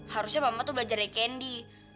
harusnya mama tuh belajar dari candy